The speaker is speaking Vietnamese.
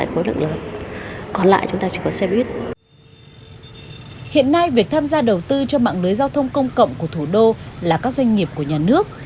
hiện nay việc tham gia đầu tư cho mạng lưới giao thông công cộng của thủ đô là các doanh nghiệp của nhà nước